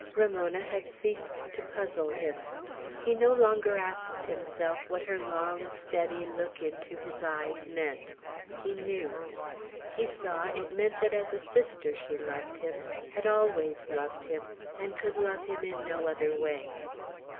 Ramona had ceased to puzzle him. He no longer asked himself what her long, steady look into his eyes meant. He knew. He saw it mean that as a sister she loved him, had always loved him, and could love him in no other way.